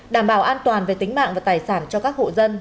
đảm bảo an toàn về tính mạng và tài sản cho các hộ dân